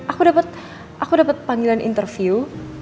aku dapat aku dapat panggilan interview